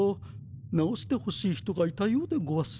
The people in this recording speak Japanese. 治してほしい人がいたようでゴワス。